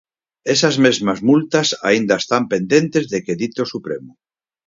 Esas mesmas multas aínda están pendentes de que dite o Supremo.